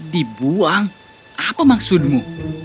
dibuang apa maksudmu